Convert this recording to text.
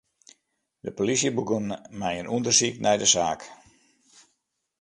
De polysje begûn mei in ûndersyk nei de saak.